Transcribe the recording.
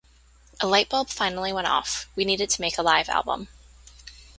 A lightbulb finally went off; we needed to make a live album.